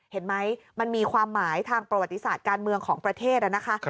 เห็นไหมมันมีความหมายทางประวัติศาสตร์การเมืองของประเทศนะคะ